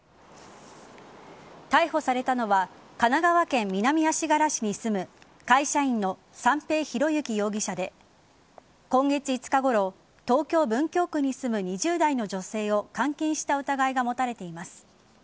逮捕されたのは神奈川県南足柄市に住む会社員の三瓶博幸容疑者で今月５日ごろ東京・文京区に住む２０代の女性を監禁した疑いが持たれています。